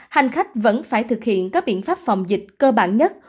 hành khách vẫn phải thực hiện các biện pháp phòng dịch cơ bản nhất